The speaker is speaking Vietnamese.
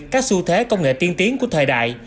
các xu thế công nghệ tiên tiến của thời đại